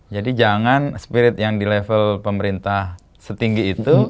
jadi jangan spirit yang di level pemerintah setinggi itu